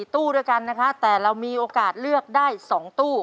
ตู้ด้วยกันนะคะแต่เรามีโอกาสเลือกได้๒ตู้